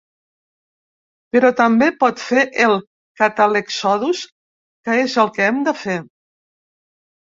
Però també pot fer el ‘Catalexodus’, que és el que hem de fer.